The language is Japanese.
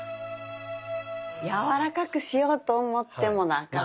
柔らかくしようと思ってもなかなか。